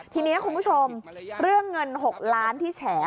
ทีนี้คุณผู้ชมเรื่องเงิน๖ล้านที่แฉ